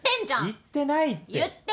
言ってない。